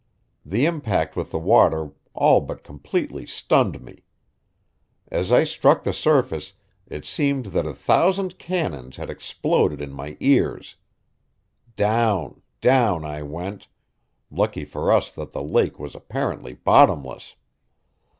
The impact with the water all but completely stunned me; as I struck the surface it seemed that a thousand cannons had exploded in my ears. Down, down I went lucky for us that the lake was apparently bottomless!